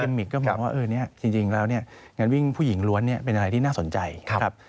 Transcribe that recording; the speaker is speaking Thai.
ต้องมีกิมมิกก็มองว่าจริงแล้วงานวิ่งผู้หญิงล้วนเป็นอะไรที่น่าสนใจครับ